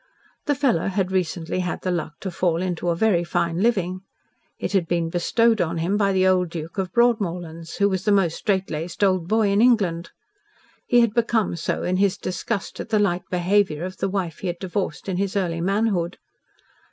The fellow had recently had the luck to fall into a very fine living. It had been bestowed on him by the old Duke of Broadmorlands, who was the most strait laced old boy in England. He had become so in his disgust at the light behaviour of the wife he had divorced in his early manhood.